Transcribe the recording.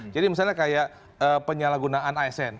jadi misalnya kayak penyalahgunaan asn